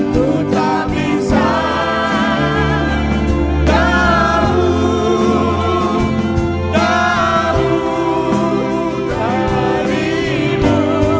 ku tak bisa jauh jauh darimu